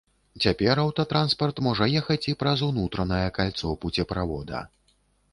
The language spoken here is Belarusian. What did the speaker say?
Цяпер аўтатранспарт можа ехаць і праз унутранае кальцо пуцеправода.